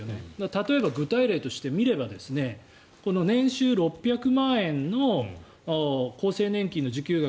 例えば具体例として見れば年収６００万円の厚生年金の受給額